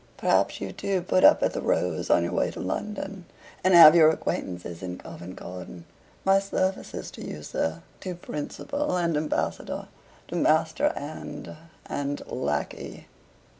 Perhaps you too put up at the 'Rose' on your way to London, and have your acquaintances in Covent Garden. My services to you, sir, to principal and ambassador, to master and and lackey."